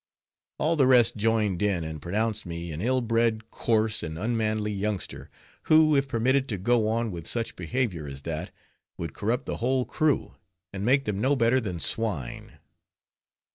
All the rest joined in, and pronounced me an ill bred, coarse, and unmannerly youngster, who, if permitted to go on with such behavior as that, would corrupt the whole crew, and make them no better than swine.